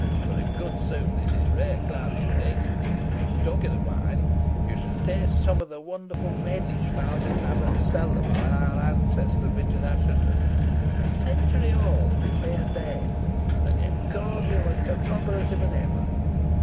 For, in good sooth, this is rare clary, Dick; and, talking of wine, you should taste some of the wonderful Rhenish found in the abbot's cellar by our ancestor, Richard Assheton a century old if it be a day, and yet cordial and corroborative as ever.